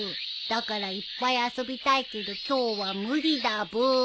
「だからいっぱい遊びたいけど今日は無理だブー」